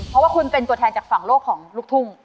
เพราะว่าคุณเป็นตัวแทนจากฝั่งโลกของลูกทุ่ง